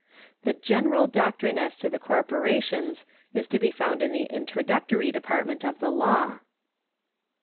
The general doctrine as to corporations is to be found in the introductory department of the law.